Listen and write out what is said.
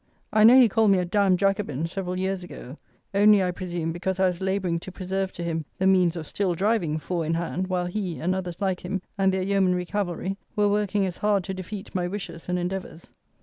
I know he called me "a d d Jacobin" several years ago, only, I presume, because I was labouring to preserve to him the means of still driving four in hand, while he, and others like him, and their yeomanry cavalry, were working as hard to defeat my wishes and endeavours.